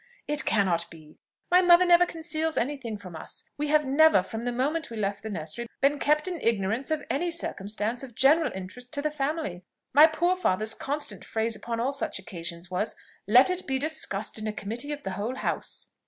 "It cannot be! my mother never conceals any thing from us. We have never, from the moment we left the nursery, been kept in ignorance of any circumstance of general interest to the family. My poor father's constant phrase upon all such occasions was 'Let it be discussed in a committee of the whole house.'"